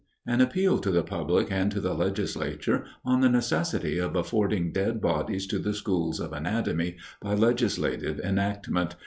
_An Appeal to the Public and to the Legislature, on the necessity of affording Dead Bodies to the Schools of Anatomy, by Legislative Enactment.